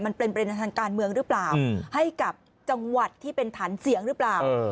มันเป็นประเด็นทางการเมืองหรือเปล่าให้กับจังหวัดที่เป็นฐานเสียงหรือเปล่า